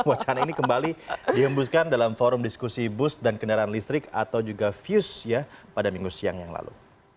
wacana ini kembali dihembuskan dalam forum diskusi bus dan kendaraan listrik atau juga fuse ya pada minggu siang yang lalu